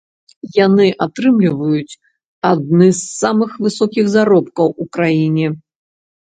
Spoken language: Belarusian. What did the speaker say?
Яны атрымліваюць адны з самых высокіх заробкаў у краіне.